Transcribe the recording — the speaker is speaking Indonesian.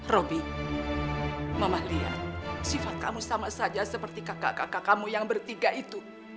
robby mamah lihat sifat kamu sama saja seperti kakak kakak kamu yang bertiga itu